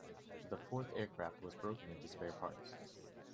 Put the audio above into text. The fourth aircraft was broken into spare parts.